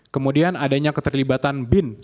kemudian adanya keterlibatan bin